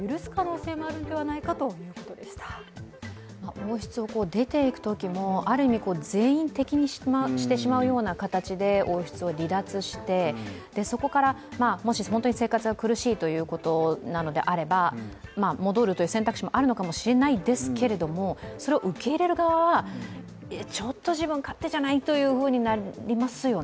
王室を出ていくときも、ある意味、全員敵にしてしまう形で王室を離脱してそこからもし本当に生活が苦しいということなのであれば、戻るという選択肢もあるのかもしれないですけど、それを受け入れる側は、ちょっと自分勝手じゃない？となりますよね。